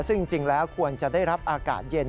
ซึ่งจริงแล้วควรจะได้รับอากาศเย็น